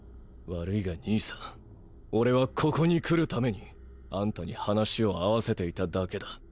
悪いが兄さんオレはここに来るためにあんたに話を合わせていただけだ。